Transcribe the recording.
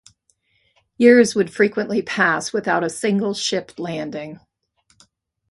Years would frequently pass without a single ship landing.